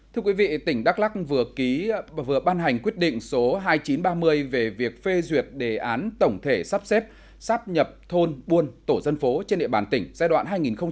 thưa quý vị tỉnh đắk lắc vừa ban hành quyết định số hai nghìn chín trăm ba mươi về việc phê duyệt đề án tổng thể sắp xếp sắp nhập thôn buôn tổ dân phố trên địa bàn tỉnh giai đoạn hai nghìn một mươi chín hai nghìn hai mươi năm